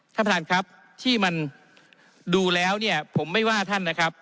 ท่านประธานครับที่มันดูแล้วเนี่ยผมไม่ว่าท่านนะครับ